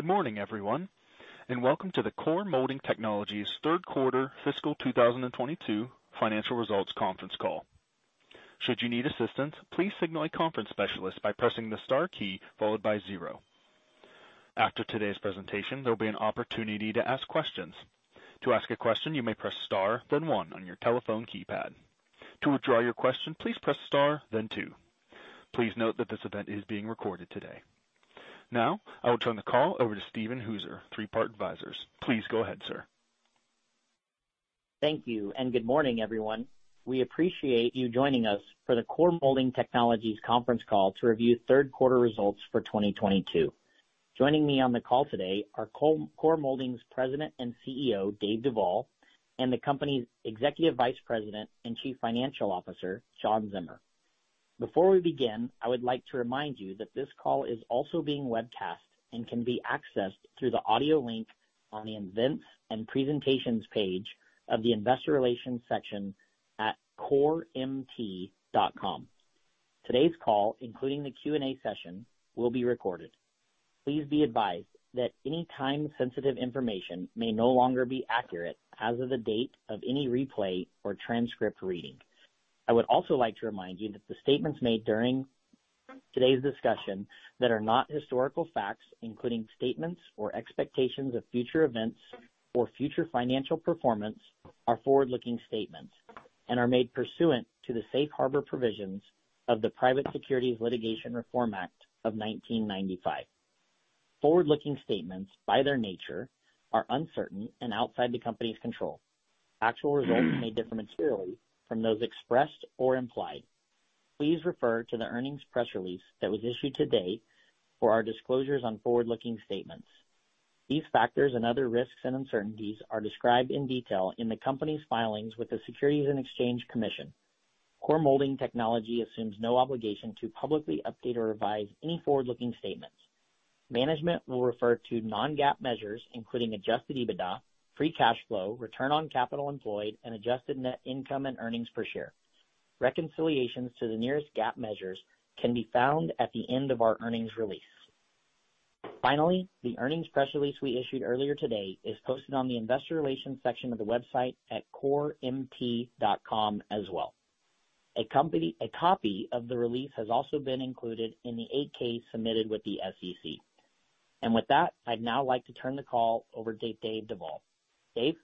Good morning, everyone, and welcome to the Core Molding Technologies third quarter fiscal 2022 financial results conference call. Should you need assistance, please signal a conference specialist by pressing the star key followed by zero. After today's presentation, there will be an opportunity to ask questions. To ask a question, you may press star, then one on your telephone keypad. To withdraw your question, please press star then two. Please note that this event is being recorded today. Now, I will turn the call over to Steven Hauser, Three Part Advisors. Please go ahead, sir. Thank you. Good morning, everyone. We appreciate you joining us for the Core Molding Technologies conference call to review third quarter results for 2022. Joining me on the call today are Core Molding's President and CEO, David Duvall, and the company's Executive Vice President and Chief Financial Officer, John Zimmer. Before we begin, I would like to remind you that this call is also being webcast and can be accessed through the audio link on the Events and Presentations page of the investor relations section at coremt.com. Today's call, including the Q&A session, will be recorded. Please be advised that any time sensitive information may no longer be accurate as of the date of any replay or transcript reading. I would also like to remind you that the statements made during today's discussion that are not historical facts, including statements or expectations of future events or future financial performance, are forward-looking statements and are made pursuant to the Safe Harbor provisions of the Private Securities Litigation Reform Act of 1995. Forward-looking statements, by their nature, are uncertain and outside the company's control. Actual results may differ materially from those expressed or implied. Please refer to the earnings press release that was issued to date for our disclosures on forward-looking statements. These factors and other risks and uncertainties are described in detail in the company's filings with the Securities and Exchange Commission. Core Molding Technologies assumes no obligation to publicly update or revise any forward-looking statements. Management will refer to non-GAAP measures, including adjusted EBITDA, free cash flow, return on capital employed, and adjusted net income and earnings per share. Reconciliations to the nearest GAAP measures can be found at the end of our earnings release. Finally, the earnings press release we issued earlier today is posted on the investor relations section of the website at coremt.com as well. A copy of the release has also been included in the 8-K submitted with the SEC. With that, I would now like to turn the call over to David Duvall. Dave?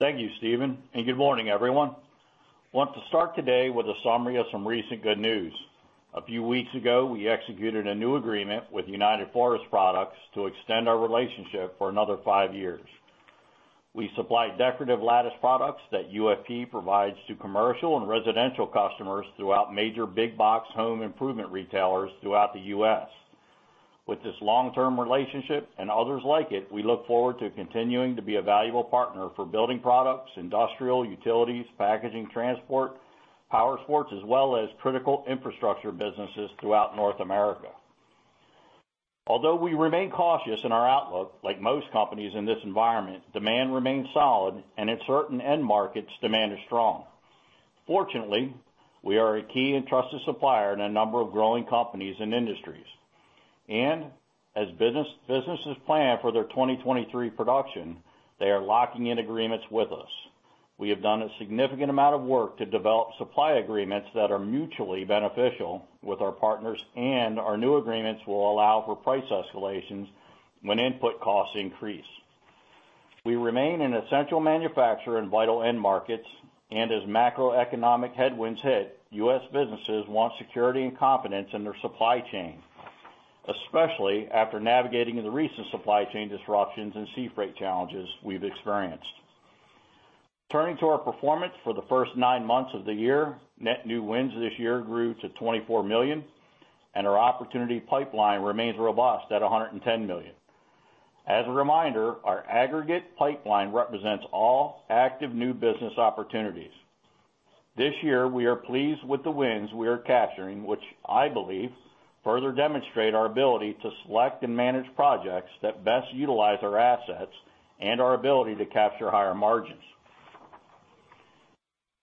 Thank you, Steven, and good morning, everyone. Want to start today with a summary of some recent good news. A few weeks ago, we executed a new agreement with Universal Forest Products to extend our relationship for another five years. We supply decorative lattice products that UFP provides to commercial and residential customers throughout major big box home improvement retailers throughout the U.S. With this long-term relationship and others like it, we look forward to continuing to be a valuable partner for building products, industrial utilities, packaging, transport, powersports, as well as critical infrastructure businesses throughout North America. We remain cautious in our outlook, like most companies in this environment, demand remains solid, and in certain end markets, demand is strong. Fortunately, we are a key and trusted supplier in a number of growing companies and industries. As businesses plan for their 2023 production, they are locking in agreements with us. We have done a significant amount of work to develop supply agreements that are mutually beneficial with our partners. Our new agreements will allow for price escalations when input costs increase. We remain an essential manufacturer in vital end markets. As macroeconomic headwinds hit, U.S. businesses want security and confidence in their supply chain, especially after navigating the recent supply chain disruptions and sea freight challenges we've experienced. Turning to our performance for the first nine months of the year, net new wins this year grew to $24 million. Our opportunity pipeline remains robust at $110 million. As a reminder, our aggregate pipeline represents all active new business opportunities. This year, we are pleased with the wins we are capturing, which I believe further demonstrate our ability to select and manage projects that best utilize our assets and our ability to capture higher margins.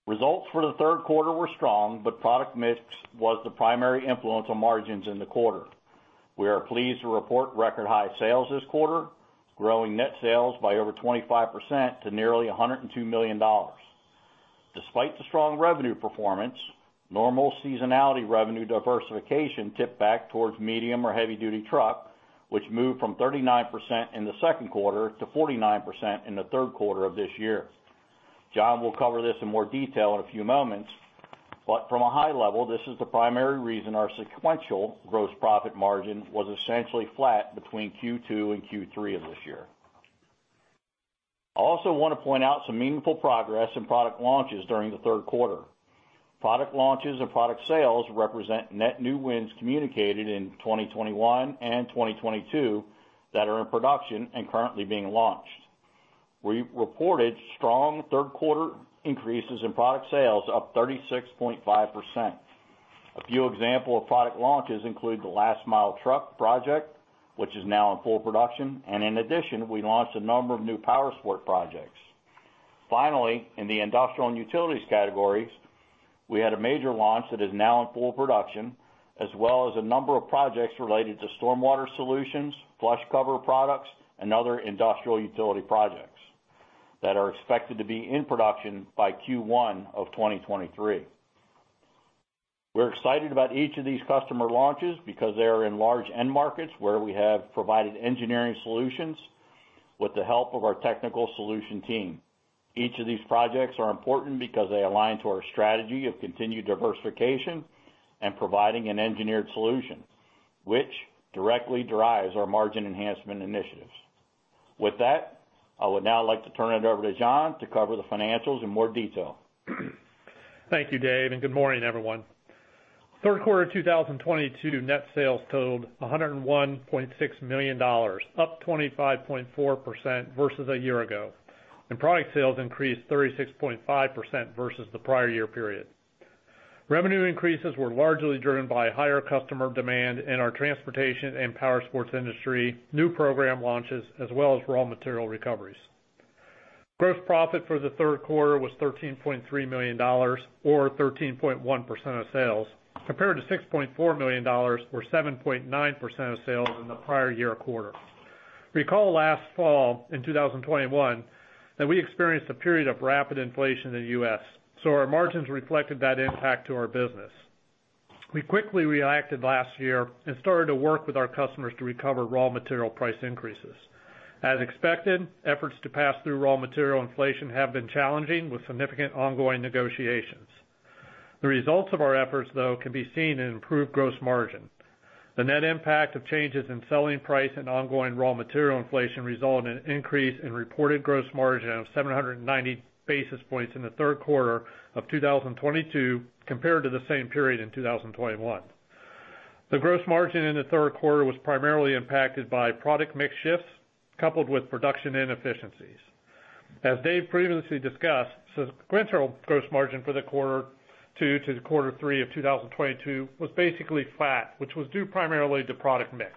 Results for the third quarter were strong, product mix was the primary influence on margins in the quarter. We are pleased to report record high sales this quarter, growing net sales by over 25% to nearly $102 million. Despite the strong revenue performance, normal seasonality revenue diversification tipped back towards medium or heavy-duty truck, which moved from 39% in the second quarter to 49% in the third quarter of this year. John will cover this in more detail in a few moments, from a high level, this is the primary reason our sequential gross profit margin was essentially flat between Q2 and Q3 of this year. I also want to point out some meaningful progress in product launches during the third quarter. Product launches and product sales represent net new wins communicated in 2021 and 2022 that are in production and currently being launched. We reported strong third quarter increases in product sales up 36.5%. A few example of product launches include the Last Mile Truck project, which is now in full production. In addition, we launched a number of new powersport projects. Finally, in the industrial and utilities categories, we had a major launch that is now in full production, as well as a number of projects related to stormwater solutions, flush cover products, and other industrial utility projects that are expected to be in production by Q1 of 2023. We're excited about each of these customer launches because they are in large end markets where we have provided engineering solutions with the help of our technical solution team. Each of these projects are important because they align to our strategy of continued diversification and providing an engineered solution, which directly drives our margin enhancement initiatives. With that, I would now like to turn it over to John to cover the financials in more detail. Thank you, Dave, and good morning, everyone. Third quarter 2022 net sales totaled $101.6 million, up 25.4% versus a year ago. Product sales increased 36.5% versus the prior year period. Revenue increases were largely driven by higher customer demand in our transportation and power sports industry, new program launches, as well as raw material recoveries. Gross profit for the third quarter was $13.3 million, or 13.1% of sales, compared to $6.4 million, or 7.9% of sales in the prior year quarter. Recall last fall in 2021, that we experienced a period of rapid inflation in the U.S. Our margins reflected that impact to our business. We quickly reacted last year and started to work with our customers to recover raw material price increases. Efforts to pass through raw material inflation have been challenging, with significant ongoing negotiations. The results of our efforts, though, can be seen in improved gross margin. The net impact of changes in selling price and ongoing raw material inflation result in an increase in reported gross margin of 790 basis points in the third quarter of 2022 compared to the same period in 2021. The gross margin in the third quarter was primarily impacted by product mix shifts, coupled with production inefficiencies. As Dave previously discussed, sequential gross margin for the quarter two to the quarter three of 2022 was basically flat, which was due primarily to product mix.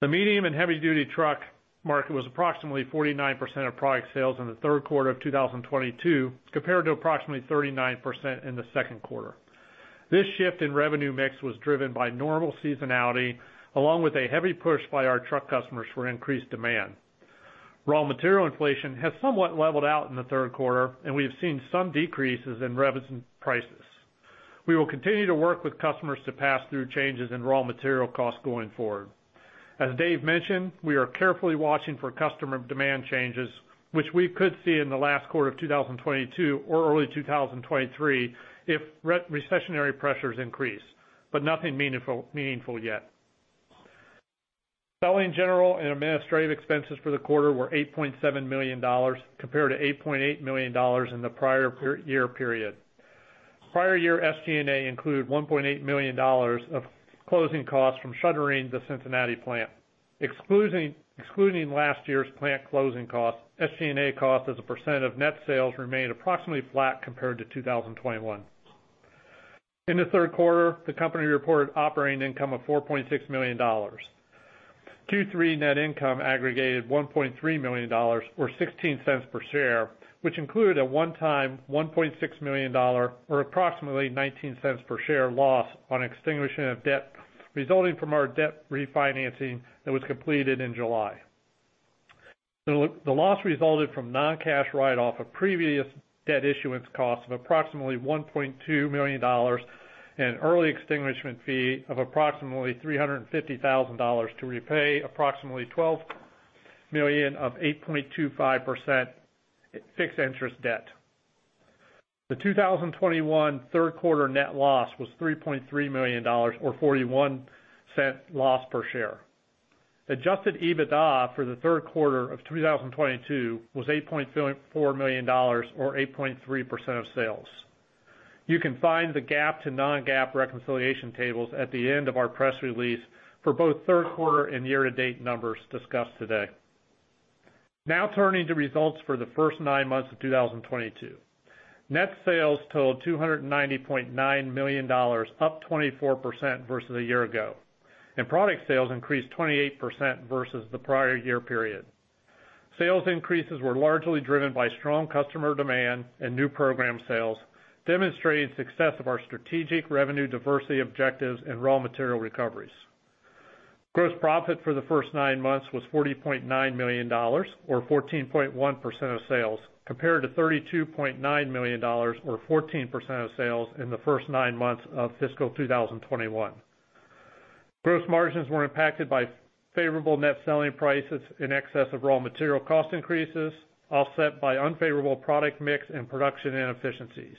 The medium and heavy duty truck market was approximately 49% of product sales in the third quarter of 2022, compared to approximately 39% in the second quarter. This shift in revenue mix was driven by normal seasonality, along with a heavy push by our truck customers for increased demand. Raw material inflation has somewhat leveled out in the third quarter. We have seen some decreases in revision prices. We will continue to work with customers to pass through changes in raw material costs going forward. Dave mentioned, we are carefully watching for customer demand changes, which we could see in the last quarter of 2022 or early 2023 if recessionary pressures increase, nothing meaningful yet. Selling, general, and administrative expenses for the quarter were $8.7 million, compared to $8.8 million in the prior year period. Prior year SG&A included $1.8 million of closing costs from shuttering the Cincinnati plant. Excluding last year's plant closing cost, SG&A cost as a % of net sales remained approximately flat compared to 2021. In the third quarter, the company reported operating income of $4.6 million. Q3 net income aggregated $1.3 million, or $0.16 per share, which included a one-time $1.6 million, or approximately $0.19 per share, loss on extinguishing of debt resulting from our debt refinancing that was completed in July. The loss resulted from non-cash write-off of previous debt issuance costs of approximately $1.2 million and early extinguishment fee of approximately $350,000 to repay approximately $12 million of 8.25% fixed interest debt. The 2021 third quarter net loss was $3.3 million, or $0.41 loss per share. Adjusted EBITDA for the third quarter of 2022 was $8.4 million, or 8.3% of sales. You can find the GAAP to non-GAAP reconciliation tables at the end of our press release for both third quarter and year-to-date numbers discussed today. Turning to results for the first nine months of 2022. Net sales totaled $290.9 million, up 24% versus a year ago. Product sales increased 28% versus the prior year period. Sales increases were largely driven by strong customer demand and new program sales, demonstrating success of our strategic revenue diversity objectives and raw material recoveries. Gross profit for the first nine months was $40.9 million, or 14.1% of sales, compared to $32.9 million, or 14% of sales in the first nine months of fiscal 2021. Gross margins were impacted by favorable net selling prices in excess of raw material cost increases, offset by unfavorable product mix and production inefficiencies.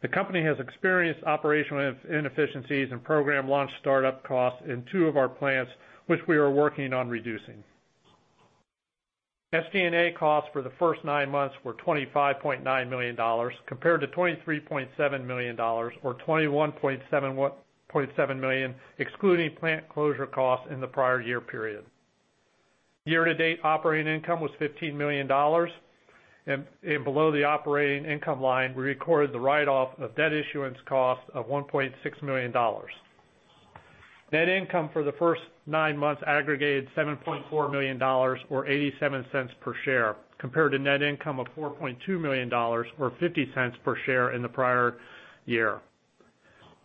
The company has experienced operational inefficiencies and program launch startup costs in two of our plants, which we are working on reducing. SG&A costs for the first nine months were $25.9 million, compared to $23.7 million, or $21.7 million, excluding plant closure costs in the prior year period. Year-to-date operating income was $15 million. Below the operating income line, we recorded the write-off of debt issuance cost of $1.6 million. Net income for the first nine months aggregated $7.4 million, or $0.87 per share, compared to net income of $4.2 million or $0.50 per share in the prior year.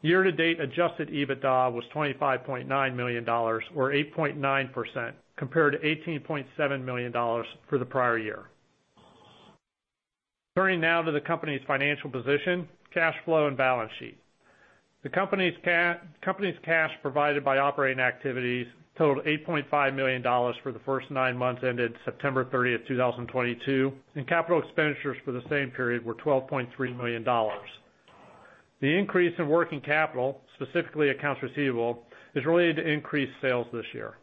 Year-to-date adjusted EBITDA was $25.9 million, or 8.9%, compared to $18.7 million for the prior year. Turning to the company's financial position, cash flow, and balance sheet. The company's cash provided by operating activities totaled $8.5 million for the first nine months ended September 30, 2022, and capital expenditures for the same period were $12.3 million. The increase in working capital, specifically accounts receivable, is related to increased sales this year.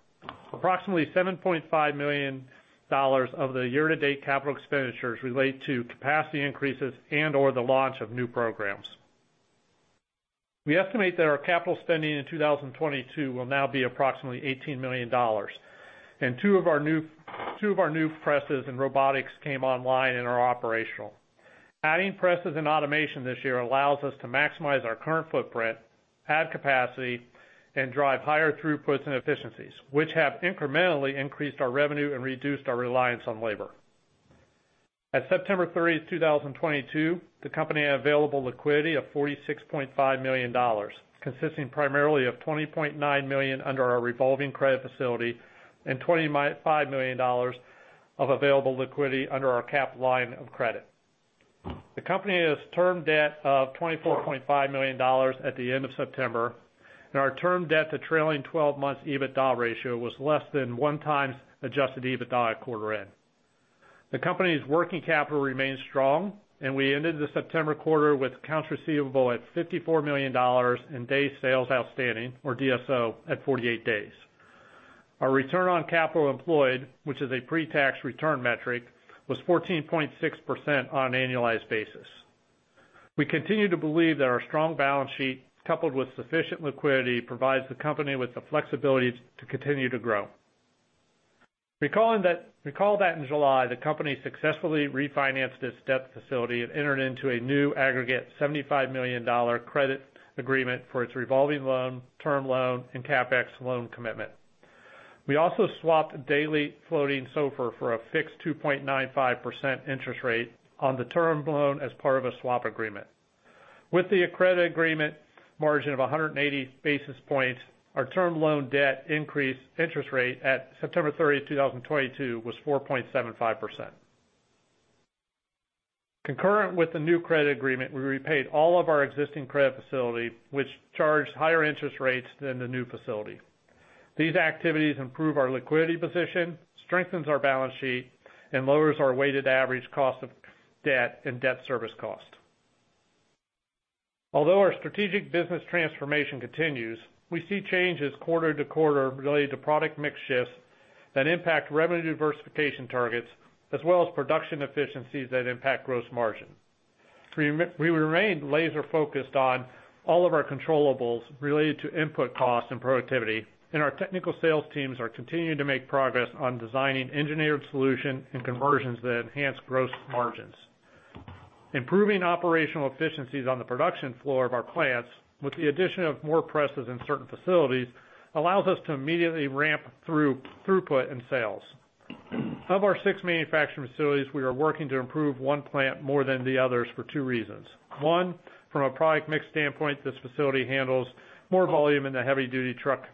Approximately $7.5 million of the year-to-date capital expenditures relate to capacity increases and/or the launch of new programs. We estimate that our capital spending in 2022 will now be approximately $18 million. Two of our new presses and robotics came online and are operational. Adding presses and automation this year allows us to maximize our current footprint, add capacity, and drive higher throughputs and efficiencies, which have incrementally increased our revenue and reduced our reliance on labor. At September 30, 2022, the company had available liquidity of $46.5 million, consisting primarily of $20.9 million under our revolving credit facility and $25 million of available liquidity under our cap line of credit. The company has term debt of $24.5 million at the end of September, and our term debt to trailing 12 months EBITDA ratio was less than one times adjusted EBITDA at quarter end. We ended the September quarter with accounts receivable at $54 million and days sales outstanding, or DSO, at 48 days. Our return on capital employed, which is a pre-tax return metric, was 14.6% on an annualized basis. We continue to believe that our strong balance sheet, coupled with sufficient liquidity, provides the company with the flexibility to continue to grow. Recall that in July, the company successfully refinanced its debt facility and entered into a new aggregate $75 million credit agreement for its revolving loan, term loan, and CapEx loan commitment. We also swapped daily floating SOFR for a fixed 2.95% interest rate on the term loan as part of a swap agreement. With the credit agreement margin of 180 basis points, our term loan debt increase interest rate at September 30th, 2022, was 4.75%. Concurrent with the new credit agreement, we repaid all of our existing credit facility, which charged higher interest rates than the new facility. These activities improve our liquidity position, strengthens our balance sheet, and lowers our weighted average cost of debt and debt service cost. Although our strategic business transformation continues, we see changes quarter to quarter related to product mix shifts that impact revenue diversification targets, as well as production efficiencies that impact gross margin. We remain laser-focused on all of our controllables related to input costs and productivity, and our technical sales teams are continuing to make progress on designing engineered solution and conversions that enhance gross margins. Improving operational efficiencies on the production floor of our plants with the addition of more presses in certain facilities allows us to immediately ramp throughput and sales. Of our six manufacturing facilities, we are working to improve one plant more than the others for two reasons. One, from a product mix standpoint, this facility handles more volume in the heavy-duty truck.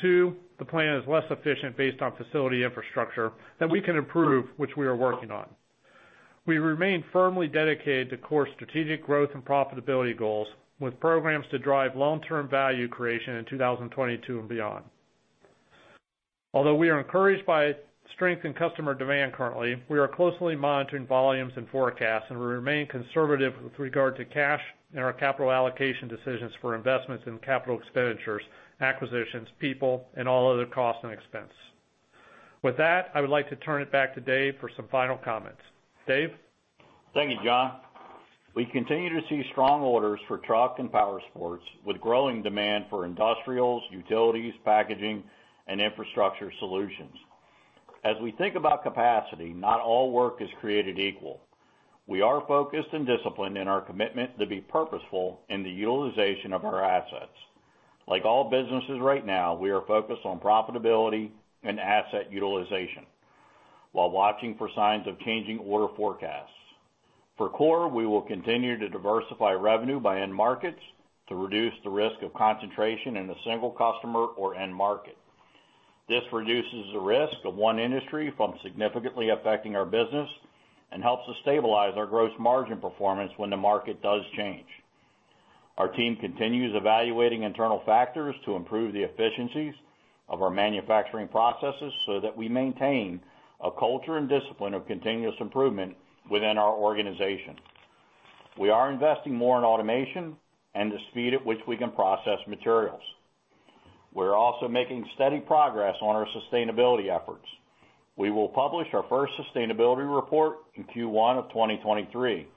Two, the plant is less efficient based on facility infrastructure that we can improve, which we are working on. We remain firmly dedicated to Core strategic growth and profitability goals, with programs to drive long-term value creation in 2022 and beyond. Although we are encouraged by strength in customer demand currently, we are closely monitoring volumes and forecasts, and we remain conservative with regard to cash and our capital allocation decisions for investments in capital expenditures, acquisitions, people, and all other costs and expense. With that, I would like to turn it back to Dave for some final comments. Dave? Thank you, John. We continue to see strong orders for truck and powersports, with growing demand for industrials, utilities, packaging, and infrastructure solutions. As we think about capacity, not all work is created equal. We are focused and disciplined in our commitment to be purposeful in the utilization of our assets. Like all businesses right now, we are focused on profitability and asset utilization while watching for signs of changing order forecasts. For Core, we will continue to diversify revenue by end markets to reduce the risk of concentration in a single customer or end market. This reduces the risk of one industry from significantly affecting our business and helps us stabilize our gross margin performance when the market does change. Our team continues evaluating internal factors to improve the efficiencies of our manufacturing processes so that we maintain a culture and discipline of continuous improvement within our organization. We are investing more in automation and the speed at which we can process materials. We're also making steady progress on our sustainability efforts. We will publish our first sustainability report in Q1 of 2023,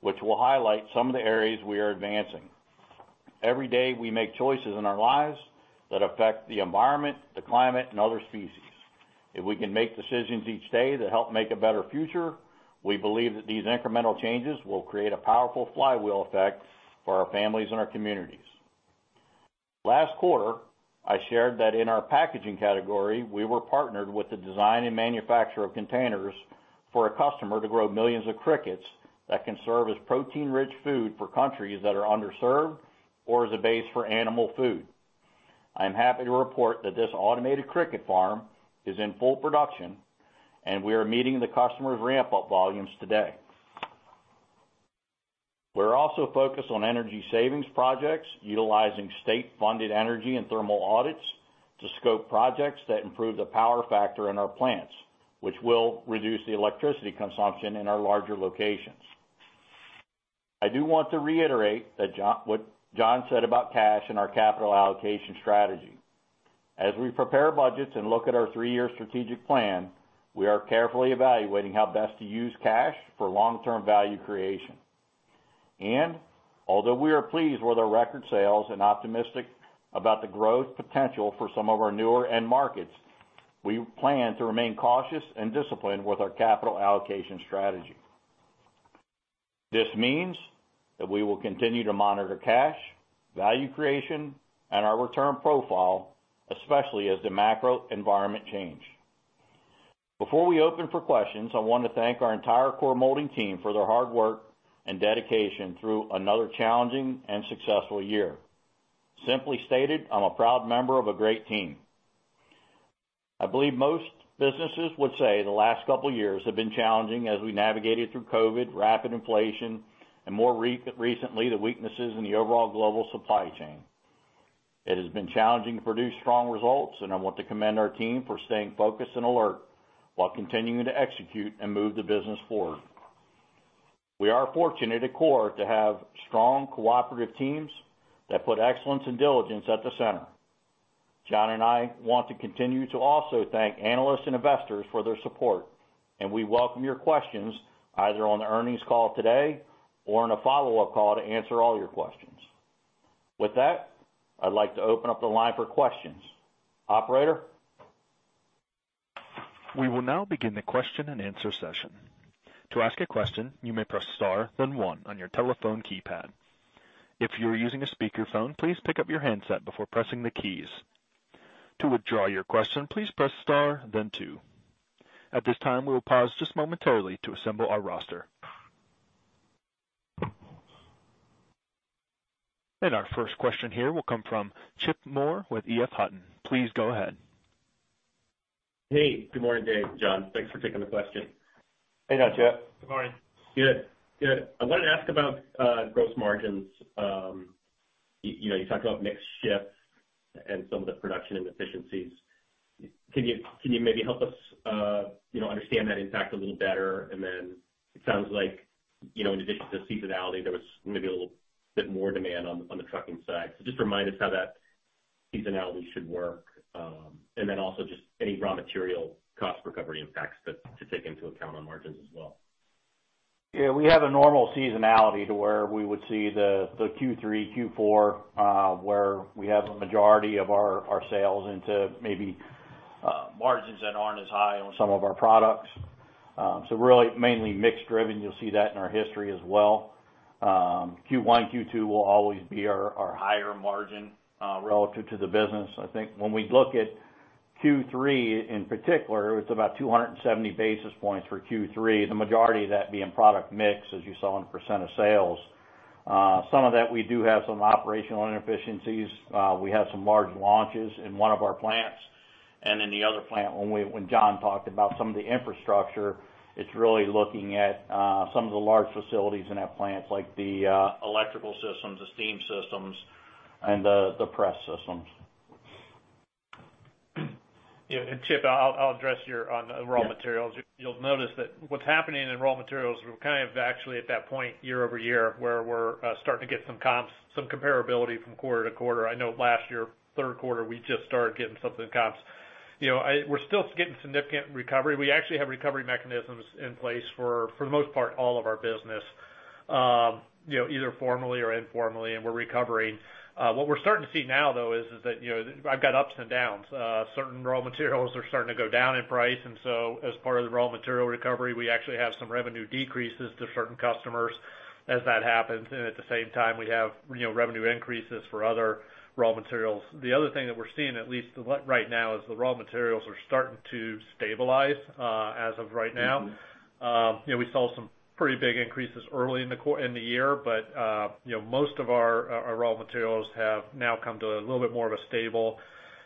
which will highlight some of the areas we are advancing. Every day, we make choices in our lives that affect the environment, the climate, and other species. If we can make decisions each day that help make a better future, we believe that these incremental changes will create a powerful flywheel effect for our families and our communities. Last quarter, I shared that in our packaging category, we were partnered with the design and manufacture of containers for a customer to grow millions of crickets that can serve as protein-rich food for countries that are underserved or as a base for animal food. I am happy to report that this automated cricket farm is in full production, and we are meeting the customer's ramp-up volumes today. We're also focused on energy savings projects, utilizing state-funded energy and thermal audits to scope projects that improve the power factor in our plants, which will reduce the electricity consumption in our larger locations. I do want to reiterate what John said about cash and our capital allocation strategy. Although we are pleased with our record sales and optimistic about the growth potential for some of our newer end markets, we plan to remain cautious and disciplined with our capital allocation strategy. This means that we will continue to monitor cash, value creation, and our return profile, especially as the macro environment change. Before we open for questions, I want to thank our entire Core Molding team for their hard work and dedication through another challenging and successful year. Simply stated, I'm a proud member of a great team. I believe most businesses would say the last couple of years have been challenging as we navigated through COVID, rapid inflation, and more recently, the weaknesses in the overall global supply chain. It has been challenging to produce strong results. I want to commend our team for staying focused and alert while continuing to execute and move the business forward. We are fortunate at Core to have strong cooperative teams that put excellence and diligence at the center. John and I want to continue to also thank analysts and investors for their support. We welcome your questions either on the earnings call today or on a follow-up call to answer all your questions. With that, I'd like to open up the line for questions. Operator? We will now begin the question and answer session. To ask a question, you may press star then one on your telephone keypad. If you are using a speakerphone, please pick up your handset before pressing the keys. To withdraw your question, please press star then two. At this time, we will pause just momentarily to assemble our roster. Our first question here will come from Chip Moore with EF Hutton. Please go ahead. Hey, good morning, Dave and John. Thanks for taking the question. Hey now, Chip. Good morning. Good. I wanted to ask about gross margins. You talked about mix shift and some of the production inefficiencies. Can you maybe help us understand that impact a little better? It sounds like, in addition to seasonality, there was maybe a little bit more demand on the trucking side. Just remind us how that seasonality should work. Also just any raw material cost recovery impacts to take into account on margins as well. Yeah. We have a normal seasonality to where we would see the Q3, Q4 where we have a majority of our sales into maybe margins that aren't as high on some of our products. Really mainly mix driven. You'll see that in our history as well. Q1, Q2 will always be our higher margin, relative to the business. I think when we look at Q3 in particular, it's about 270 basis points for Q3, the majority of that being product mix, as you saw in percent of sales. Some of that, we do have some operational inefficiencies. We have some large launches in one of our plants and in the other plant. When John talked about some of the infrastructure, it's really looking at some of the large facilities in that plant, like the electrical systems, the steam systems, and the press systems. Yeah. Chip, I'll address you on the raw materials. Yeah. You'll notice that what's happening in raw materials, we're kind of actually at that point year-over-year, where we're starting to get some comparability from quarter to quarter. I know last year, third quarter, we just started getting something comps. We're still getting significant recovery. We actually have recovery mechanisms in place for the most part, all of our business, either formally or informally, and we're recovering. What we're starting to see now, though, is that I've got ups and downs. Certain raw materials are starting to go down in price. As part of the raw material recovery, we actually have some revenue decreases to certain customers as that happens. At the same time, we have revenue increases for other raw materials. The other thing that we're seeing, at least right now, is the raw materials are starting to stabilize, as of right now. We saw some pretty big increases early in the year, most of our raw materials have now come to a little bit more of a stable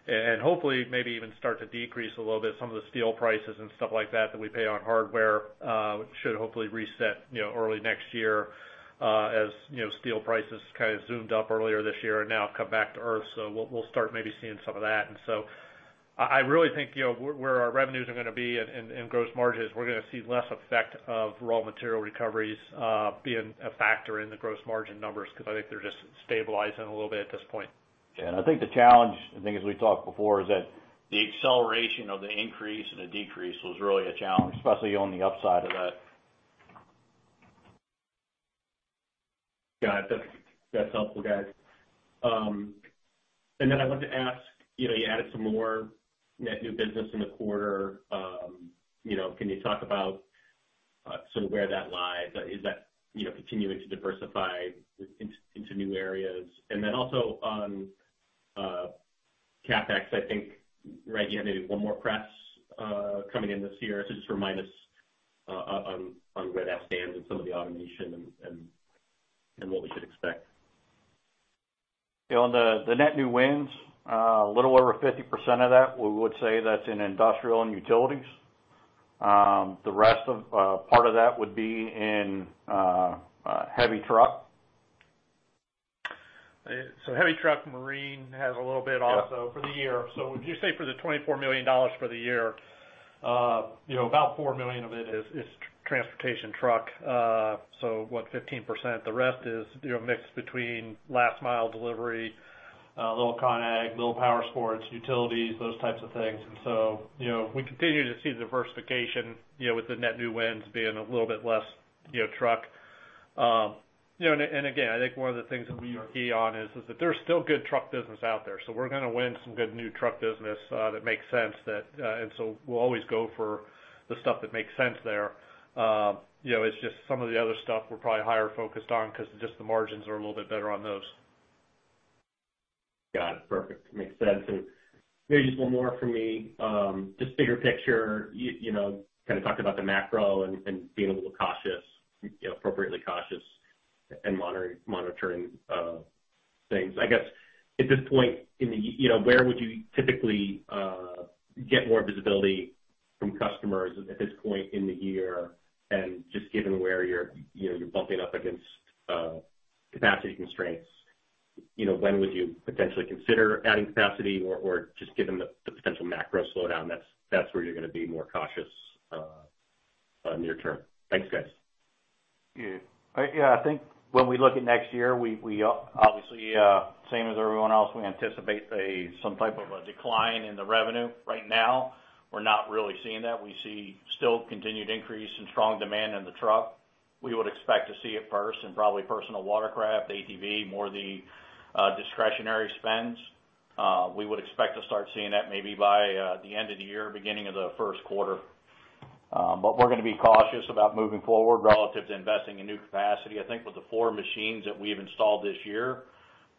and hopefully maybe even start to decrease a little bit. Some of the steel prices and stuff like that that we pay on hardware should hopefully reset early next year. As steel prices kind of zoomed up earlier this year and now come back to Earth. We'll start maybe seeing some of that. I really think, where our revenues are going to be and gross margins, we're going to see less effect of raw material recoveries being a factor in the gross margin numbers, because I think they're just stabilizing a little bit at this point. Yeah. I think the challenge, I think as we talked before, is that the acceleration of the increase and the decrease was really a challenge, especially on the upside of that. Got it. That's helpful, guys. I wanted to ask, you added some more net new business in the quarter. Can you talk about sort of where that lies? Is that continuing to diversify into new areas? Also on CapEx, I think, Reggie, you have maybe one more press coming in this year. Just remind us on where that stands in some of the automation and what we should expect. On the net new wins, a little over 50% of that we would say that's in industrial and utilities. Part of that would be in heavy truck. heavy truck, marine has a little bit also. Yeah for the year. Would you say for the $24 million for the year, about $4 million of it is transportation truck, what, 15%? The rest is mixed between last mile delivery, a little Con-Ag, a little power sports, utilities, those types of things. We continue to see diversification with the net new wins being a little bit less truck. Again, I think one of the things that we are key on is that there's still good truck business out there. We're going to win some good new truck business that makes sense. We'll always go for the stuff that makes sense there. It's just some of the other stuff we're probably higher focused on because just the margins are a little bit better on those. Got it. Perfect. Makes sense. Maybe just one more from me. Just bigger picture, you kind of talked about the macro and being a little cautious, appropriately cautious and monitoring things. I guess at this point, where would you typically get more visibility from customers at this point in the year? Just given where you're bumping up against capacity constraints, when would you potentially consider adding capacity or just given the potential macro slowdown, that's where you're going to be more cautious near term? Thanks, guys. Yeah. I think when we look at next year, obviously, same as everyone else, we anticipate some type of a decline in the revenue. Right now, we're not really seeing that. We see still continued increase in strong demand in the truck. We would expect to see it first in probably personal watercraft, ATV, more the discretionary spends. We would expect to start seeing that maybe by the end of the year, beginning of the first quarter. We're going to be cautious about moving forward relative to investing in new capacity. I think with the four machines that we've installed this year,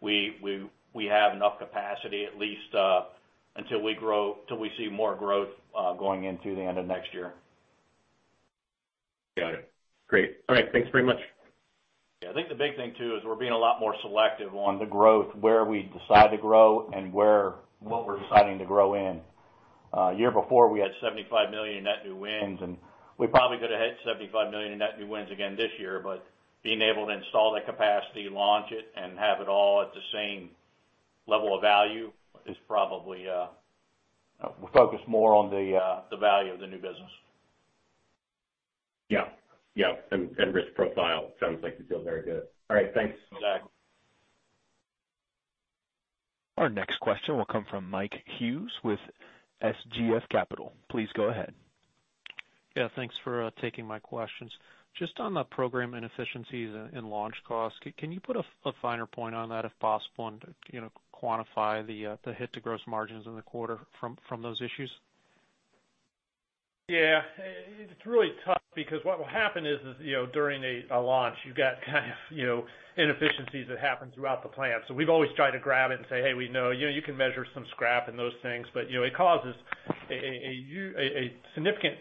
we have enough capacity at least until we see more growth going into the end of next year. Got it. Great. All right. Thanks very much. Yeah, I think the big thing too is we're being a lot more selective on the growth, where we decide to grow and what we're deciding to grow in. Year before, we had $75 million net new wins, and we probably could have hit $75 million net new wins again this year. Being able to install that capacity, launch it, and have it all at the same level of value is we're focused more on the value of the new business. Yeah. Risk profile sounds like you feel very good. All right, thanks. You bet. Our next question will come from Mike Hughes with SGF Capital. Please go ahead. Yeah, thanks for taking my questions. Just on the program inefficiencies and launch costs, can you put a finer point on that, if possible, and quantify the hit to gross margins in the quarter from those issues? Yeah. It's really tough because what will happen is, during a launch, you've got kind of inefficiencies that happen throughout the plant. We've always tried to grab it and say, "Hey, we know." You can measure some scrap and those things, but it causes a significant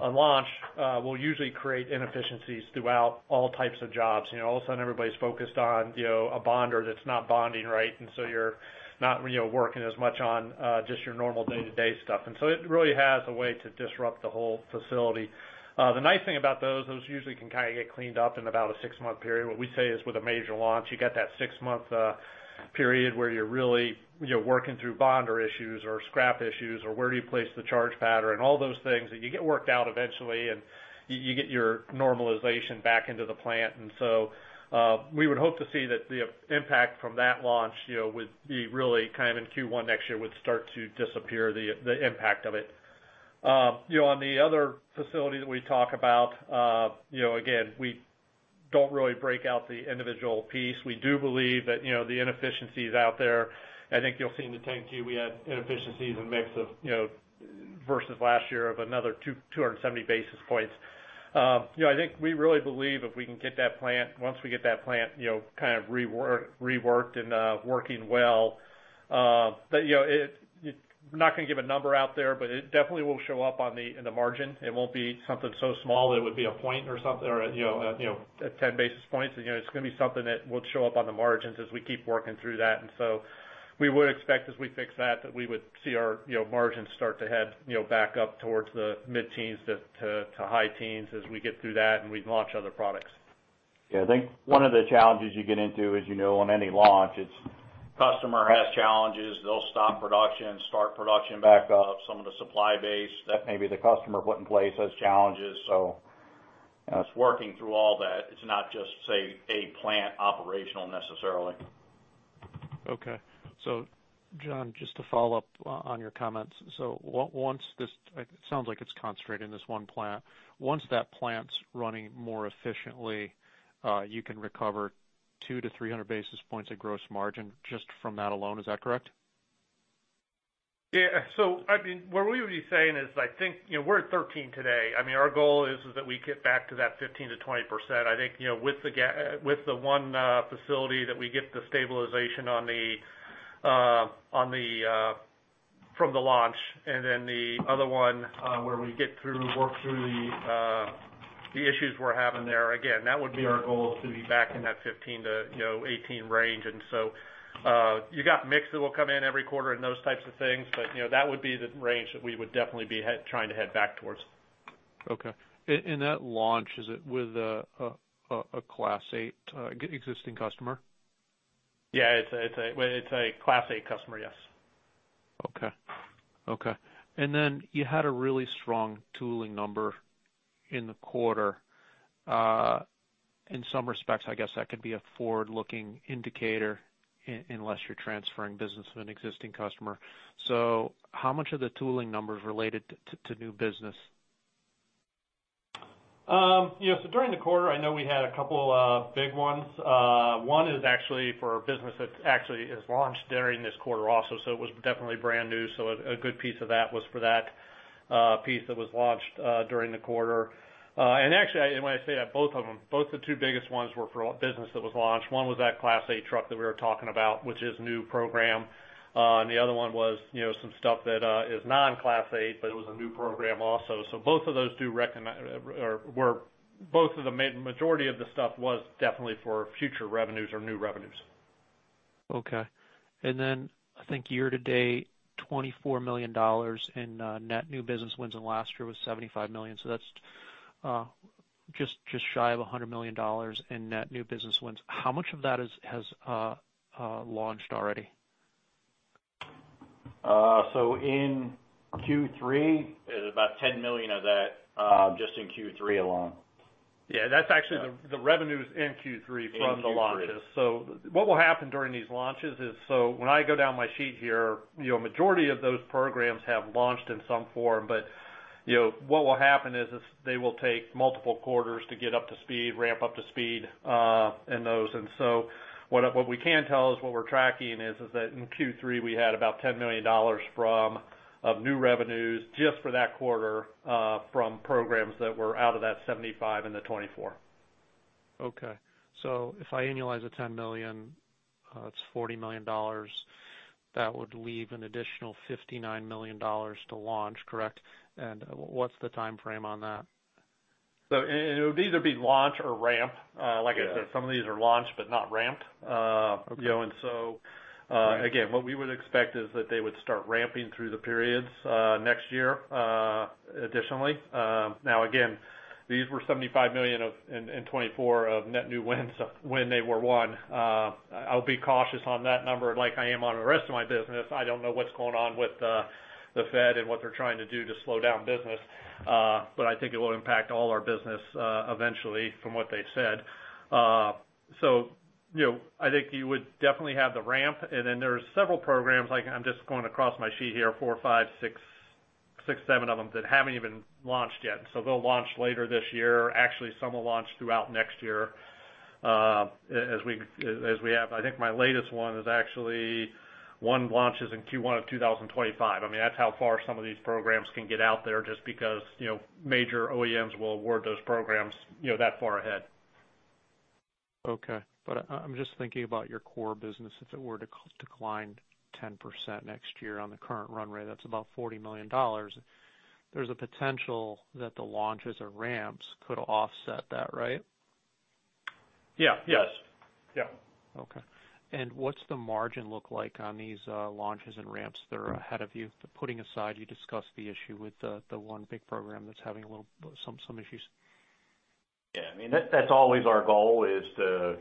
A launch will usually create inefficiencies throughout all types of jobs. All of a sudden everybody's focused on a bonder that's not bonding right, and so you're not working as much on just your normal day-to-day stuff. It really has a way to disrupt the whole facility. The nice thing about those usually can kind of get cleaned up in about a six-month period. What we say is with a major launch, you get that six-month period where you're really working through bonder issues or scrap issues or where do you place the charge pattern, all those things. You get worked out eventually, and you get your normalization back into the plant. We would hope to see that the impact from that launch would be really kind of in Q1 next year would start to disappear the impact of it. On the other facility that we talk about, again, we don't really break out the individual piece. We do believe that the inefficiencies out there, I think you'll see in the 10-Q, we had inefficiencies and mix versus last year of another 270 basis points. I think we really believe if we can get that plant, once we get that plant kind of reworked and working well, I'm not going to give a number out there, but it definitely will show up in the margin. It won't be something so small that it would be a point or 10 basis points. It's going to be something that will show up on the margins as we keep working through that. We would expect as we fix that we would see our margins start to head back up towards the mid-teens to high teens as we get through that and we launch other products. Yeah. I think one of the challenges you get into, as you know, on any launch, it's customer has challenges, they'll stop production, start production back up. Some of the supply base that maybe the customer put in place has challenges. It's working through all that. It's not just, say, a plant operational necessarily. Okay. John, just to follow up on your comments. It sounds like it's concentrating this one plant. Once that plant's running more efficiently, you can recover 2 to 300 basis points of gross margin just from that alone. Is that correct? Yeah. What we would be saying is, we're at 13 today. Our goal is that we get back to that 15%-20%. I think, with the one facility that we get the stabilization from the launch, and then the other one where we get through, work through the issues we're having there, again, that would be our goal to be back in that 15%-18% range. You got mix that will come in every quarter and those types of things, but that would be the range that we would definitely be trying to head back towards. Okay. That launch, is it with a Class 8 existing customer? Yeah, it's a Class 8 customer, yes. Okay. You had a really strong tooling number in the quarter. In some respects, I guess, that could be a forward-looking indicator unless you're transferring business with an existing customer. How much of the tooling numbers related to new business? During the quarter, I know we had a couple of big ones. One is actually for a business that actually is launched during this quarter also. It was definitely brand new. A good piece of that was for that piece that was launched during the quarter. Actually, when I say that, both of them, both the two biggest ones were for a business that was launched. One was that Class 8 truck that we were talking about, which is new program. The other one was some stuff that is non-Class 8, but it was a new program also. Both of the majority of the stuff was definitely for future revenues or new revenues. Okay. I think year-to-date, $24 million in net new business wins, and last year was $75 million. That's just shy of $100 million in net new business wins. How much of that has launched already? In Q3, about $10 million of that just in Q3 alone. Yeah, that's actually the revenues in Q3 from the launches. In Q3. What will happen during these launches is, when I go down my sheet here, a majority of those programs have launched in some form. What will happen is they will take multiple quarters to get up to speed, ramp up to speed, in those. What we can tell is what we're tracking is that in Q3, we had about $10 million from new revenues just for that quarter from programs that were out of that 75 and the 24. Okay. If I annualize the $10 million, that's $40 million. That would leave an additional $59 million to launch, correct? What's the timeframe on that? It would either be launch or ramp. Like I said, some of these are launched but not ramped. Okay. Again, what we would expect is that they would start ramping through the periods next year additionally. Now again, these were $75 million and 24 of net new wins when they were won. I'll be cautious on that number like I am on the rest of my business. I don't know what's going on with the Fed and what they're trying to do to slow down business. I think it will impact all our business eventually from what they said. I think you would definitely have the ramp, and then there's several programs like, I'm just going across my sheet here, four, five, six, seven of them that haven't even launched yet. They'll launch later this year. Actually, some will launch throughout next year. I think my latest one is actually one launches in Q1 of 2025. That's how far some of these programs can get out there just because major OEMs will award those programs that far ahead. Okay. I'm just thinking about your core business. If it were to decline 10% next year on the current run rate, that's about $40 million. There's a potential that the launches or ramps could offset that, right? Yeah. Yes. Yeah. Okay. What's the margin look like on these launches and ramps that are ahead of you? Putting aside, you discussed the issue with the one big program that's having some issues. Yeah, that's always our goal is to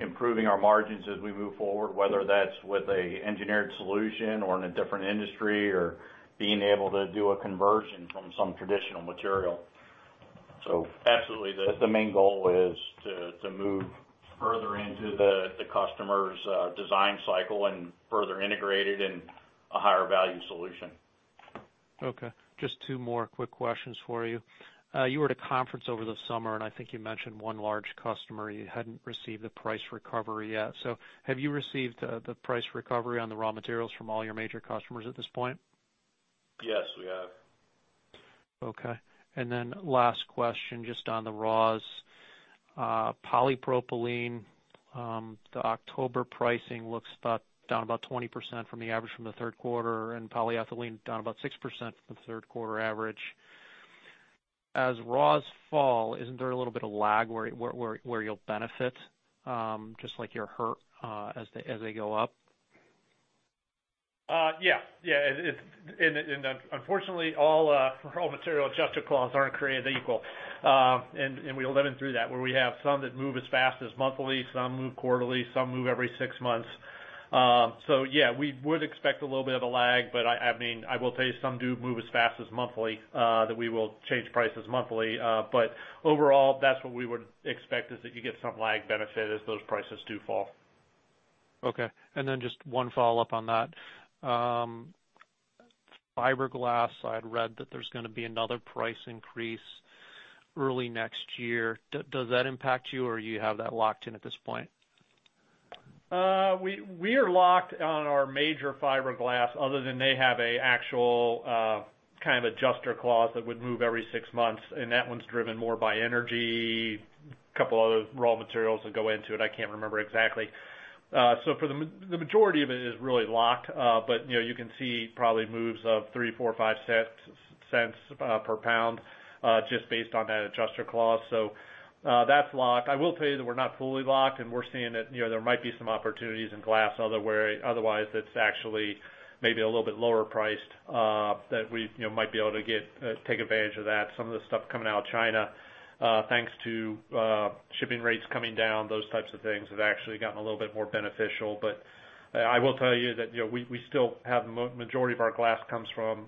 improving our margins as we move forward, whether that's with a engineered solution or in a different industry or being able to do a conversion from some traditional material. Absolutely. The main goal is to move further into the customer's design cycle and further integrate it in a higher value solution. Okay. Just two more quick questions for you. You were at a conference over the summer, and I think you mentioned one large customer you hadn't received the price recovery yet. Have you received the price recovery on the raw materials from all your major customers at this point? Yes, we have. Okay. Last question, just on the raws. Polypropylene, the October pricing looks down about 20% from the average from the third quarter, and polyethylene down about 6% from the third quarter average. As raws fall, isn't there a little bit of lag where you'll benefit, just like you're hurt as they go up? Yeah. Unfortunately, all material adjustment clause aren't created equal. We are living through that, where we have some that move as fast as monthly, some move quarterly, some move every six months. Yeah, we would expect a little bit of a lag, I will tell you, some do move as fast as monthly, that we will change prices monthly. Overall, that's what we would expect is that you get some lag benefit as those prices do fall. Okay. Just one follow-up on that. Fiberglass, I had read that there's going to be another price increase early next year. Does that impact you or you have that locked in at this point? We are locked on our major fiberglass other than they have an actual kind of adjuster clause that would move every six months, and that one's driven more by energy, couple other raw materials that go into it. I can't remember exactly. For the majority of it is really locked. You can see probably moves of $0.03, $0.04, $0.05 per pound, just based on that adjuster clause. That's locked. I will tell you that we're not fully locked, and we're seeing that there might be some opportunities in glass. Otherwise, it's actually maybe a little bit lower priced, that we might be able to take advantage of that. Some of the stuff coming out of China, thanks to shipping rates coming down, those types of things, have actually gotten a little bit more beneficial. I will tell you that we still have majority of our glass comes from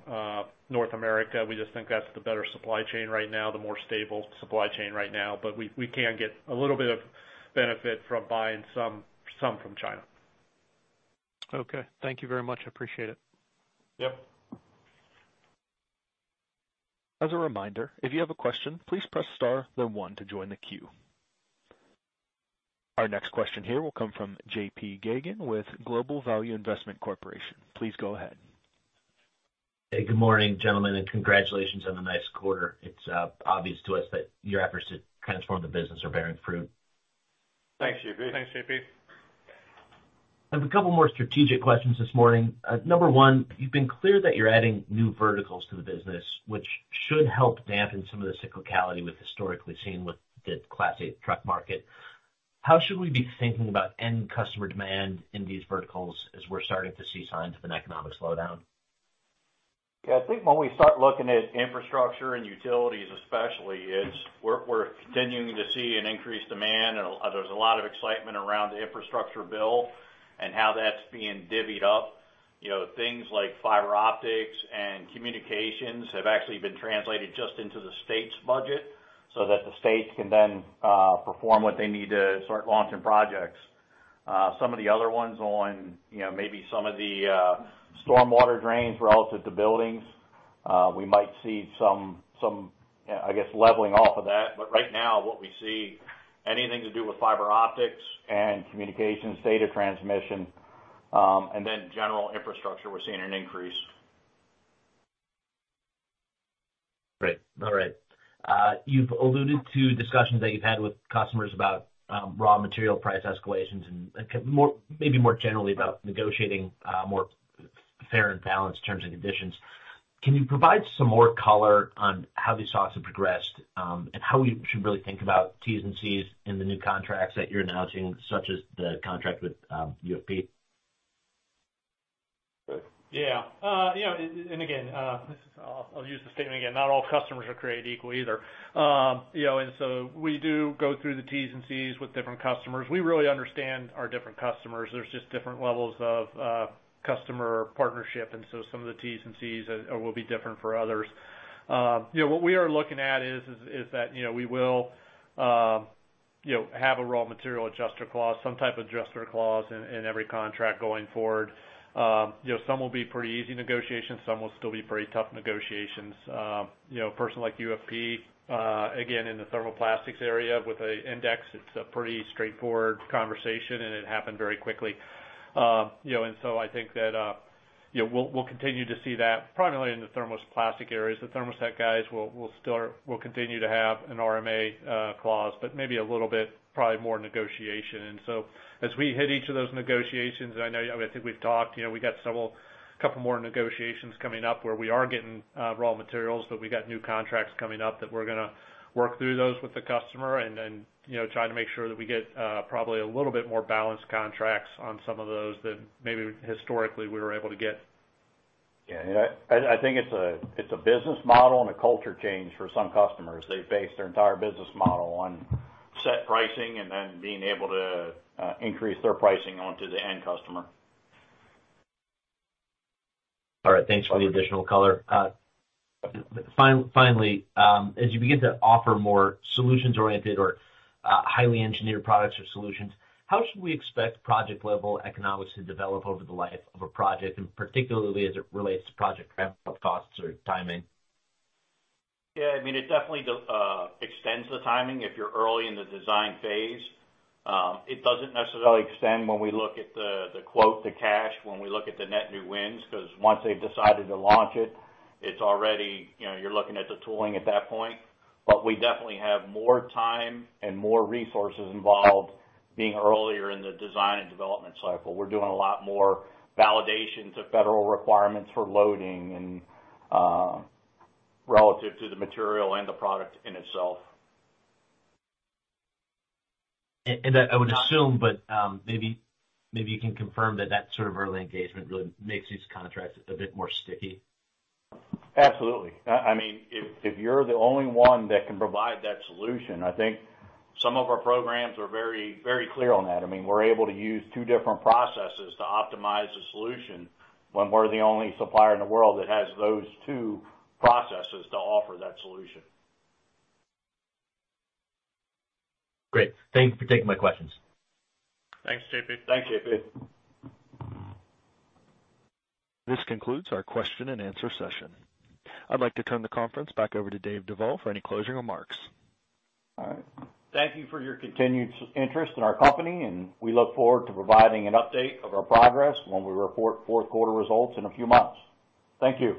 North America. We just think that's the better supply chain right now, the more stable supply chain right now. We can get a little bit of benefit from buying some from China. Okay. Thank you very much. I appreciate it. Yep. As a reminder, if you have a question, please press star then one to join the queue. Our next question here will come from JP Geygan with Global Value Investment Corp. Please go ahead. Hey, good morning, gentlemen, congratulations on a nice quarter. It's obvious to us that your efforts to transform the business are bearing fruit. Thanks, JP. Thanks, JP. I have a couple more strategic questions this morning. Number one, you've been clear that you're adding new verticals to the business, which should help dampen some of the cyclicality we've historically seen with the Class 8 truck market. How should we be thinking about end customer demand in these verticals as we're starting to see signs of an economic slowdown? Yeah, I think when we start looking at infrastructure and utilities especially, we're continuing to see an increased demand, and there's a lot of excitement around the infrastructure bill and how that's being divvied up. Things like fiber optics and communications have actually been translated just into the state's budget so that the states can then perform what they need to start launching projects. Some of the other ones on maybe some of the storm water drains relative to buildings, we might see some, I guess, leveling off of that. Right now what we see, anything to do with fiber optics and communications, data transmission, and then general infrastructure, we're seeing an increase. Great. All right. You've alluded to discussions that you've had with customers about raw material price escalations and maybe more generally about negotiating more fair and balanced Terms and Conditions. Can you provide some more color on how these talks have progressed, and how we should really think about Terms and Conditions in the new contracts that you're announcing, such as the contract with UFP? Yeah. Again, I'll use the statement again, not all customers are created equal either. We do go through the Terms and Conditions with different customers. We really understand our different customers. There's just different levels of customer partnership, so some of the Terms and Conditions will be different for others. What we are looking at is that we will have a raw material adjuster clause, some type of adjuster clause in every contract going forward. Some will be pretty easy negotiations, some will still be pretty tough negotiations. A person like UFP, again, in the thermoplastics area with an index, it's a pretty straightforward conversation, and it happened very quickly. I think that we'll continue to see that primarily in the thermoplastic areas. The thermoset guys will continue to have an RMA clause, but maybe a little bit probably more negotiation. As we hit each of those negotiations, and I think we've talked, we got a couple more negotiations coming up where we are getting raw materials, we got new contracts coming up that we're going to work through those with the customer try to make sure that we get probably a little bit more balanced contracts on some of those than maybe historically we were able to get. Yeah. I think it's a business model and a culture change for some customers. They've based their entire business model on set pricing being able to increase their pricing onto the end customer. All right. Thanks for the additional color. Finally, as you begin to offer more solutions-oriented or highly engineered products or solutions, how should we expect project level economics to develop over the life of a project, and particularly as it relates to project ramp-up costs or timing? It definitely extends the timing if you're early in the design phase. It doesn't necessarily extend when we look at the quote to cash, when we look at the net new wins, because once they've decided to launch it, you're looking at the tooling at that point. We definitely have more time and more resources involved being earlier in the design and development cycle. We're doing a lot more validations of Federal requirements for loading and relative to the material and the product in itself. I would assume, but maybe you can confirm that sort of early engagement really makes these contracts a bit more sticky. Absolutely. If you're the only one that can provide that solution, I think some of our programs are very clear on that. We're able to use two different processes to optimize a solution when we're the only supplier in the world that has those two processes to offer that solution. Great. Thank you for taking my questions. Thanks, JP. Thanks, JP. This concludes our question and answer session. I'd like to turn the conference back over to David Duvall for any closing remarks. All right. Thank you for your continued interest in our company, and we look forward to providing an update of our progress when we report fourth quarter results in a few months. Thank you.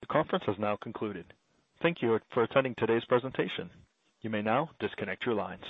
The conference has now concluded. Thank you for attending today's presentation. You may now disconnect your lines.